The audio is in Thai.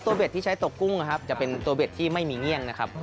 เด็ดที่ใช้ตัวกุ้งนะครับจะเป็นตัวเบ็ดที่ไม่มีเงี่ยงนะครับ